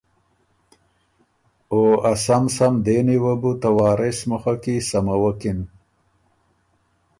او ا سم سم دېنی وه بو ته وارث مُخه کی سموکِن